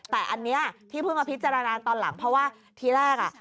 แต่อันนี้ที่เพิ่งมาพิจารณาตอนหลังเพราะว่าทีแรกอ่ะ